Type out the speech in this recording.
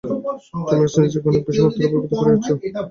তুমি আজ নিজেকে অনেক বেশী মাত্রায় অভিব্যক্ত করিয়াছ।